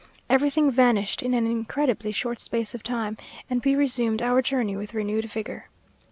Everything vanished in an incredibly short space of time, and we resumed our journey with renewed vigour.